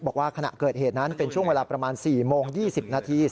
บอกว่าขณะเกิดเหตุนั้นเป็นช่วงเวลาประมาณ๔โมง๒๐นาที